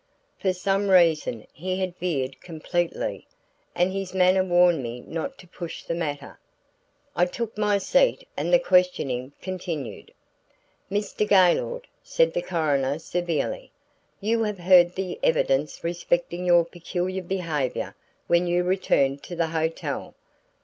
For some reason he had veered completely, and his manner warned me not to push the matter. I took my seat and the questioning continued. "Mr. Gaylord," said the coroner, severely, "you have heard the evidence respecting your peculiar behavior when you returned to the hotel.